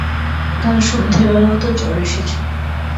কাল সন্ধেবেলাও তো জ্বর এসেছে?